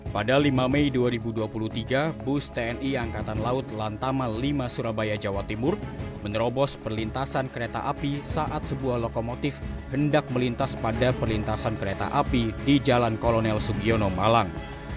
pada lima mei dua ribu dua puluh tiga bus tni angkatan laut lantama lima surabaya jawa timur menerobos perlintasan kereta api saat sebuah lokomotif hendak melintas pada perlintasan kereta api di jalan kolonel sugiono malang